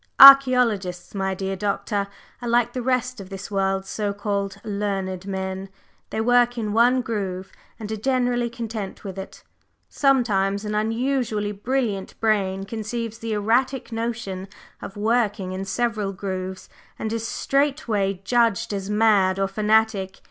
"Archæologists, my dear Doctor, are like the rest of this world's so called 'learned' men; they work in one groove, and are generally content with it. Sometimes an unusually brilliant brain conceives the erratic notion of working in several grooves, and is straightway judged as mad or fanatic.